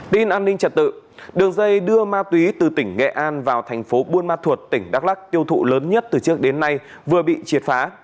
tin an ninh trật tự đường dây đưa ma túy từ tỉnh nghệ an vào thành phố buôn ma thuột tỉnh đắk lắc tiêu thụ lớn nhất từ trước đến nay vừa bị triệt phá